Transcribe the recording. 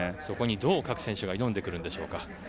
そこに、どう各選手が挑んでくるでしょうか。